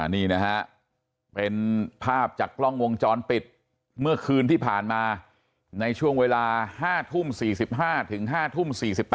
นี่นะฮะเป็นภาพจากกล้องวงจรปิดเมื่อคืนที่ผ่านมาในช่วงเวลา๕ทุ่ม๔๕๕ทุ่ม๔๘